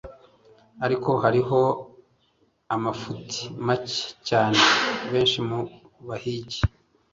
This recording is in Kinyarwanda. ariko hariho amafuti make cyane. benshi mu bahigi